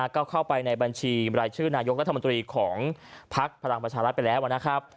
ก็เข้าไปในบัญชีรายชื่อนายกรัฐมนตรีของพักพลังประชารัฐไปแล้วนะครับ